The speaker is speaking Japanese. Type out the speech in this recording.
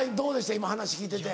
今話聞いてて。